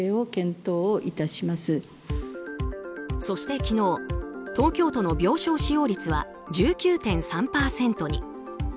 そして昨日、東京都の病床使用率は１９．３％に。